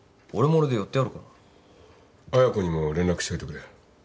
亜矢子にも連絡しといてくれ。